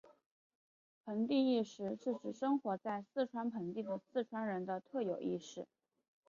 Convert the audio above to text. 盆地意识是指生活在四川盆地的四川人的特有意识。